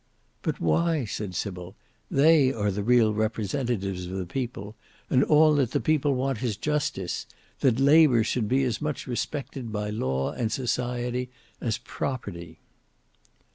"But why?" said Sybil. "They are the real representatives of the people, and all that the people want is justice; that Labour should be as much respected by law and society as Property."